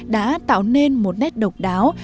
đã tạo nên một nét độc đáo